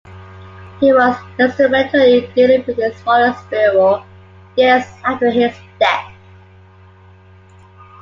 He was instrumental in dealing with his father's burial, years after his death.